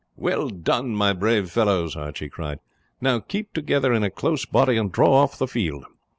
"Well done, my brave fellows!" Archie cried; "now keep together in a close body and draw off the field."